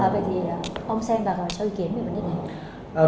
vậy thì ông xem và cho ý kiến về những cái này